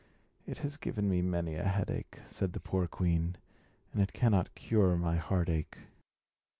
"It has given me many a headache," said the poor queen, "and it cannot cure my heartache."